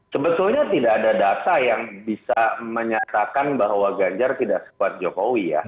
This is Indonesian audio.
sebetulnya tidak ada data yang bisa menyatakan bahwa ganjar tidak sekuat jokowi ya